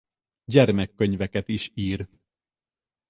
Gyermekkönyveket is ír.